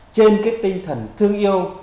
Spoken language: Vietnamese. trên cái tinh thần thương yêu